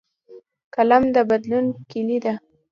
قلم د بدلون کلۍ ده